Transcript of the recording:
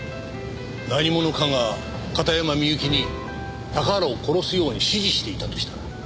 何者かが片山みゆきに高原を殺すように指示していたとしたら。